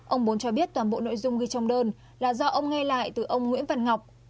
ông bốn cho biết toàn bộ nội dung ghi trong đơn là do ông nghe lại từ ông nguyễn văn ngọc